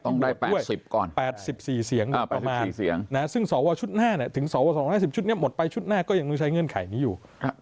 ต้องได้๘๐ก่อน๘๔เสียงประมาณ๔เสียงซึ่งสวชุดหน้าถึงสว๒๕๐ชุดนี้หมดไปชุดหน้าก็ยังต้องใช้เงื่อนไขนี้อยู่